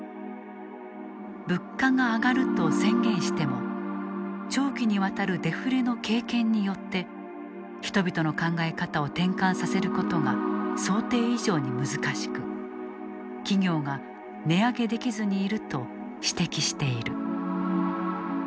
物価が上がると宣言しても長期にわたるデフレの経験によって人々の考え方を転換させることが想定以上に難しく企業が値上げできずにいると指摘している。